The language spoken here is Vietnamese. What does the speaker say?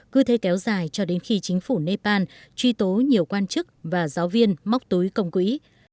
cứ thế kéo dài cho đến khi chính phủ nepal truy tố nhiều quan chức và giáo viên móc túi công quỹ